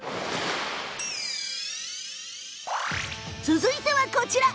続いては、こちら。